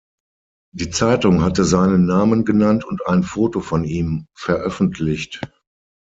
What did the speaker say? Die Zeitung hatte seinen Namen genannt und ein Foto von ihm veröffentlicht.